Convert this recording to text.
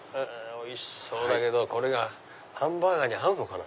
おいしそうだけどこれがハンバーガーに合うのかな？